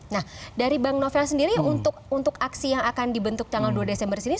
nah dari bang novel sendiri untuk aksi yang akan dibentuk tanggal dua desember ini